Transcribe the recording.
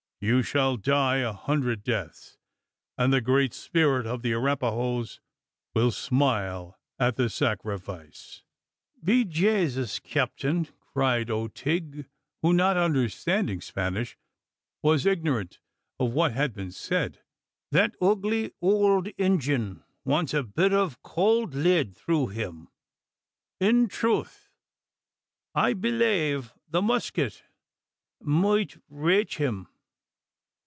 You shall die a hundred deaths, and the Great Spirit of the Arapahoes will smile at the sacrifice!" "Be Jaysis, cyaptin!" cried O'Tigg, who, not understanding Spanish, was ignorant of what had been said, "that ugly owld Indyan wants a bit ov cowld lid through him. In troth, I b'lave the musket moight raich him.